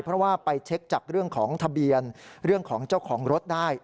เพราะว่าไปเช็คจากเรื่องของทะเบียนเรื่องของเจ้าของรถได้